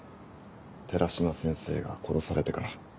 寺島先生が殺されてから。